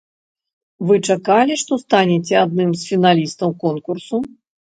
Вы чакалі, што станеце аднымі з фіналістаў конкурсу?